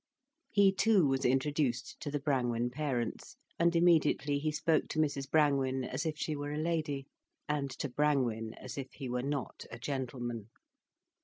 He too was introduced to the Brangwen parents, and immediately he spoke to Mrs Brangwen as if she were a lady, and to Brangwen as if he were not a gentleman.